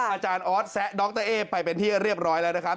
อาจารย์ออสแซะดรเอ๊ไปเป็นที่เรียบร้อยแล้วนะครับ